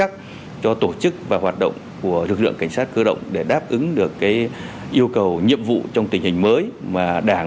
trong đó lực lượng cảnh sát cơ động là một trong những lực lượng mà nghị quyết của đảng